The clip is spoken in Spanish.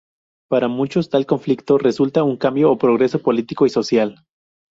Para muchos tal conflicto resulta un cambio o progreso político y social.